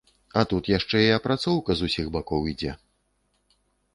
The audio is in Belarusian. А тут яшчэ і апрацоўка з усіх бакоў ідзе.